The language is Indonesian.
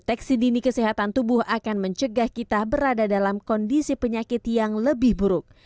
deteksi dini kesehatan tubuh akan mencegah kita berada dalam kondisi penyakit yang lebih buruk